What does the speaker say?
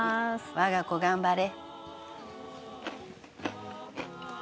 我が子頑張れ。